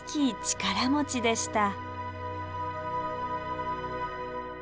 力持ちでした。